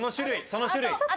その種類。